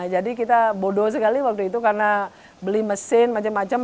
jadi kita bodoh sekali waktu itu karena beli mesin macam macam